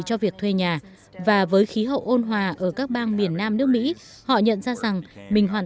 cho việc thuê nhà và với khí hậu ôn hòa ở các bang miền nam nước mỹ họ nhận ra rằng mình hoàn